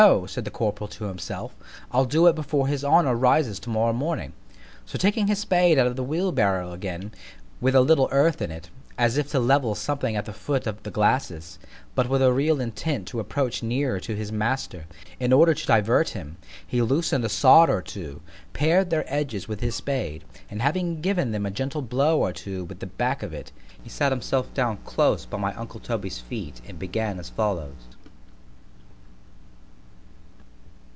——No; said the corporal to himself, I'll do it before his honour rises to morrow morning; so taking his spade out of the wheel barrow again, with a little earth in it, as if to level something at the foot of the glacis——but with a real intent to approach nearer to his master, in order to divert him——he loosen'd a sod or two——pared their edges with his spade, and having given them a gentle blow or two with the back of it, he sat himself down close by my uncle Toby's feet and began as follows.